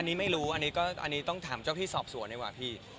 อันนี้ไม่รู้อันนี้ก็อันนี้ต้องถามเจ้าที่สอบสวนดีกว่าพี่